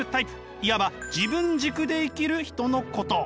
いわば自分軸で生きる人のこと。